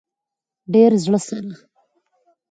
د زړه سره